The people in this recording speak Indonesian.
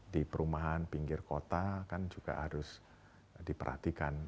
di perumahan pinggir kota kan juga harus diperhatikan